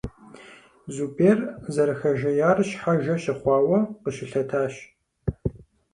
Зубер, зэрыхэжеяр щхьэжэ щыхъуауэ, къыщылъэтащ.